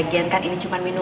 lagian kan ini cuman minuman